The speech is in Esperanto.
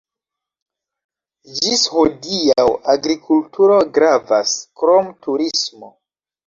Ĝis hodiaŭ agrikulturo gravas, krom turismo.